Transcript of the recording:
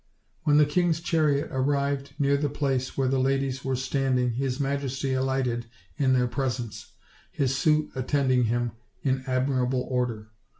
When the king's chariot arrived near the place where the ladies weree standing his majesty alighted in their presence, his suit attending him in admirable order.